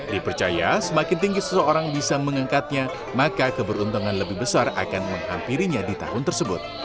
dipercaya semakin tinggi seseorang bisa mengangkatnya maka keberuntungan lebih besar akan menghampirinya di tahun tersebut